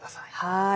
はい。